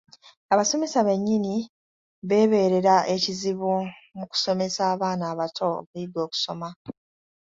Abasomesa bennyini beebeerera ekizibu mu kusomesa abaana abato okuyiga okusoma.